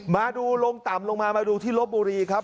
มาดูลงต่ำลงมามาดูที่ลบบุรีครับ